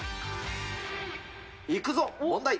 いくぞ問題。